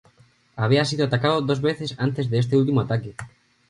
Había sido atacado dos veces antes de este último ataque.